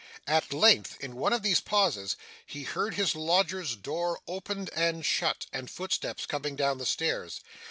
At length, in one of these pauses, he heard his lodger's door opened and shut, and footsteps coming down the stairs.